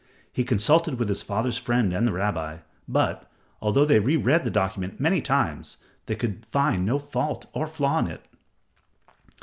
He consulted with his father's friend and the rabbi, but, although they re read the document many times, they could find no fault or flaw in it.